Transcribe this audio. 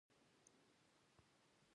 که ژوند و، بیا به یو بل وخت ورته راشو.